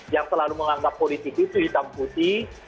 yang selalu menganggap politik itu hitam putih